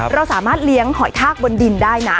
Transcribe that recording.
เราสามารถเลี้ยงหอยทากบนดินได้นะ